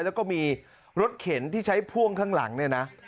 แล้วก็มีรถเข็นที่ใช้พ่วงข้างหลังเนี่ยนะ